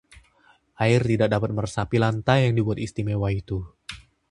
air tidak dapat meresapi lantai yang dibuat istimewa itu